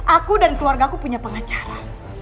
aku dan keluarga aku punya pengacara